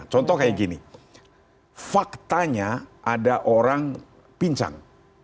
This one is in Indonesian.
contoh kayak gini faktanya ada orang pincang